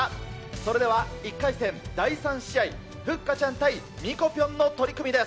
それでは１回戦第３試合、ふっかちゃん対ミコぴょんの取組です。